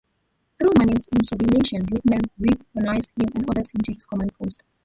Through Manning's insubordination, Rickman recognises him and orders him to his command post.